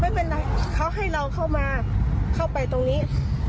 ไม่เป็นไรเขาให้เราเข้ามาเข้าไปตรงนี้